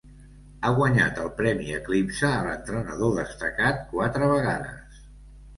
Ha guanyat el premi Eclipse a l'entrenador destacat quatre vegades.